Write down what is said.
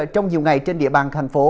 trong nhiều ngày trên địa bàn thành phố